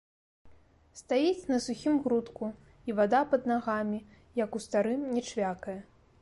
Стаіць на сухім грудку, і вада пад нагамі, як у старым, не чвякае.